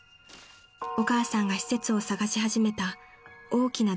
［お母さんが施設を探し始めた大きな動機の一つです］